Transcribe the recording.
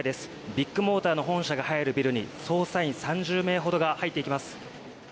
ビッグモーターの本社が入るビルに捜査員３０名ほどが入っていきます。